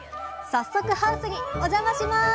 早速ハウスにお邪魔します！